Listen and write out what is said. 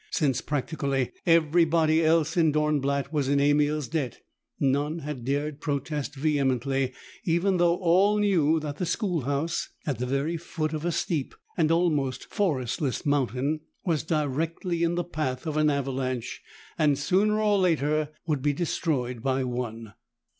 Since practically everybody else in Dornblatt was in Emil's debt, none had dared protest vehemently even though all knew that the schoolhouse, at the very foot of a steep and almost forestless mountain, was directly in the path of an avalanche and, sooner or later, would be destroyed by one.